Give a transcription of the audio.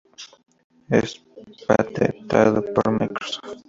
Es patentado por Microsoft.